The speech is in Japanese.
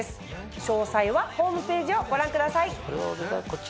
詳細はホームページをご覧ください。